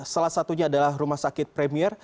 salah satunya adalah rumah sakit premier